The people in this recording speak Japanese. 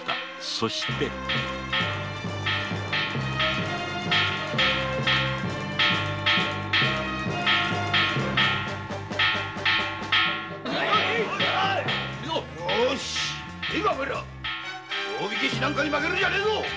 そして行くぞ「定火消し」なんかに負けるんじゃねえぞ‼